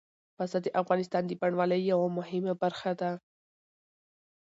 پسه د افغانستان د بڼوالۍ یوه مهمه برخه ده.